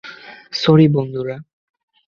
Sorry, বন্ধুরা।